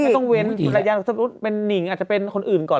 ต้องเว้นภรรยาสมมุติเป็นนิ่งอาจจะเป็นคนอื่นก่อน